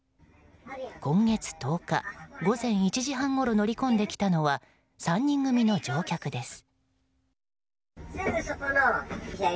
今月１０日午前１時半ごろ乗り込んできたのは３人組の乗客です。